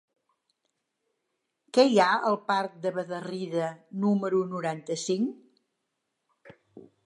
Què hi ha al parc de Bederrida número noranta-cinc?